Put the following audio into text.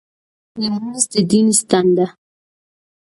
لمونځ د دین ستن ده.